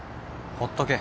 ほっとけ。